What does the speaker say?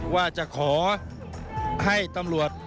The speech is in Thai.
ว่าจะขอให้ตำรวจ